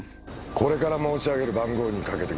これから申し上げる番号にかけてください。